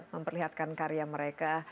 memperlihatkan karya mereka